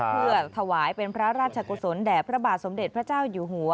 เพื่อถวายเป็นพระราชกุศลแด่พระบาทสมเด็จพระเจ้าอยู่หัว